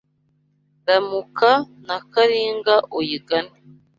Ramuka na Karinga uyigane